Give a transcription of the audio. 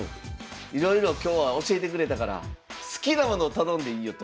いろいろ今日は教えてくれたから好きなものを頼んでいいよ」と。